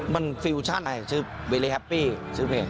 มันฟิวชั่นอะไรชื่อเบลลี่แฮปปี้ชื่อเพลง